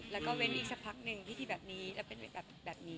แล้วก็เว้นอีกสักพักหนึ่งพิธีแบบนี้แล้วเป็นแบบนี้